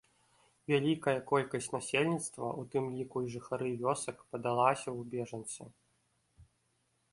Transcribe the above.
Вялікая колькасць насельніцтва, у тым ліку і жыхары вёсак, падалася ў бежанцы.